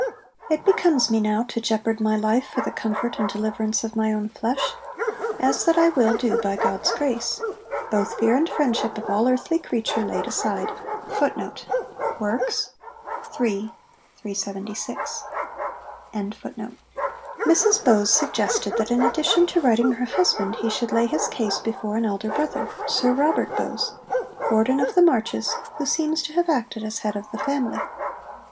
'It becomes me now to jeopard my life for the comfort and deliverance of my own flesh, as that I will do by God's grace; both fear and friendship of all earthly creature laid aside.' Mrs Bowes suggested that, in addition to writing her husband, he should lay his case before an elder brother, Sir Robert Bowes, Warden of the Marches, who seems to have acted as head of the family.